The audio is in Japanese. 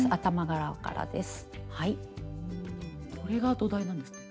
これが土台になるんですね。